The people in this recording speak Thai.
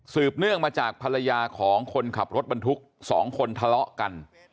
เนื่องมาจากภรรยาของคนขับรถบรรทุก๒คนทะเลาะกัน